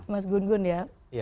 mas gun gun ya